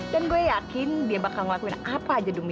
dan gue yakin dia bakal ngelakuin apa aja demi gue